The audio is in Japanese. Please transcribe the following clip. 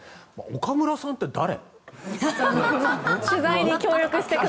岡村さんって誰？